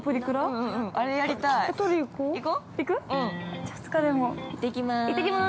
◆じゃあ、２日目も行ってきます。